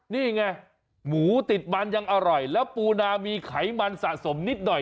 นี่ไงหมูติดมันยังอร่อยแล้วปูนามีไขมันสะสมนิดหน่อย